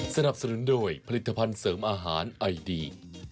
สนับสนุนโดยผลิตภัณฑ์เสริมอาหารไอดี